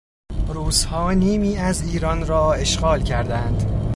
روسها نیمی از ایران را اشغال کردند.